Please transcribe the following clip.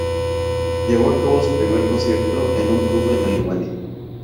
Llevó a cabo su primer concierto en un club en Alemania.